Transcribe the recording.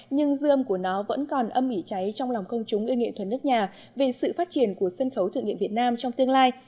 nhưng dư âm của nó vẫn còn âm mỉ cháy trong lòng công chúng ưu nghệ thuần nước nhà về sự phát triển của sân khấu thử nghiệm việt nam trong tương lai